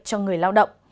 cho người lao động